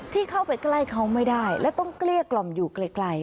เข้าไปใกล้เขาไม่ได้และต้องเกลี้ยกล่อมอยู่ไกล